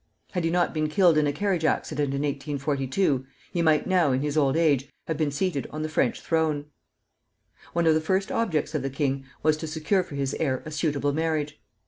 Had he not been killed in a carriage accident in 1842, he might now, in his old age, have been seated on the French throne. One of the first objects of the king was to secure for his heir a suitable marriage.